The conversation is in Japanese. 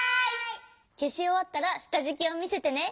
けしおわったらしたじきをみせてね。